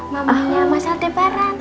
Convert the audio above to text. mamanya mas altebaran